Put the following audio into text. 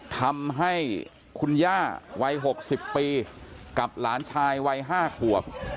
ทำให้คุณย่าวัย๖๐ปีกับหลานชายวัย๕ขวบ